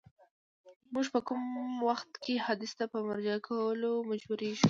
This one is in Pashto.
موږ په کوم وخت کي حدیث ته په مراجعه کولو مجبوریږو؟